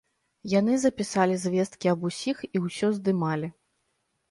Яны запісалі звесткі аб усіх і ўсё здымалі.